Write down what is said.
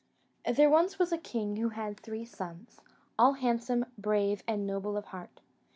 There was once a king who had three sons, all handsome, brave and noble of heart.